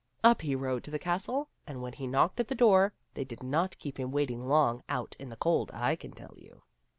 Up he rode to the castle, and when he knocked at the door they did not keep him waiting long out in the cold, I can tell you.